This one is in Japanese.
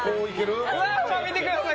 見てください！